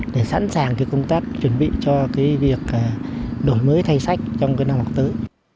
để sẵn sàng công tác chuẩn bị cho việc đổi mới thay sách trong năm học tới